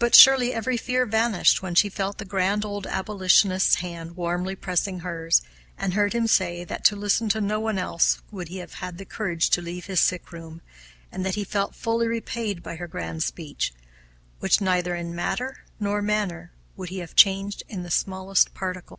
But surely every fear vanished when she felt the grand old abolitionist's hand warmly pressing hers, and heard him say that to listen to no one else would he have had courage to leave his sick room, and that he felt fully repaid by her grand speech, which neither in matter nor manner would he have changed in the smallest particular.